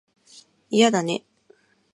嫌だね